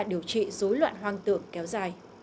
điều trị dối loạn hoang tượng kéo dài